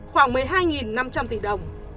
khoảng một mươi hai triệu đô la việt nam